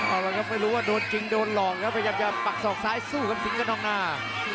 โอ้โหไม่รู้ว่าโดนจริงโดนหล่อแล้วพยายามจะปักศอกซ้ายสู้กันสิงค์กันต่อหน้า